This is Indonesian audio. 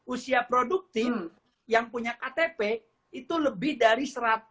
usia produktif yang punya ktp itu lebih dari seratus